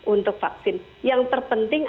untuk vaksin yang terpenting